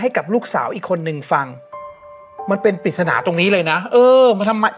ให้กับลูกสาวอีกคนนึงฟังมันเป็นปริศนาตรงนี้เลยนะเออมันทำไม